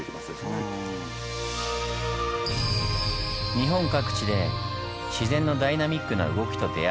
日本各地で自然のダイナミックな動きと出会い